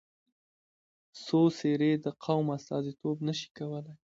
څو څېرې د قوم استازیتوب نه شي کولای.